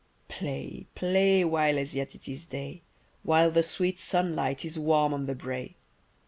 PLAY, play, while as yet it is day: While the sweet sunlight is warm on the brae!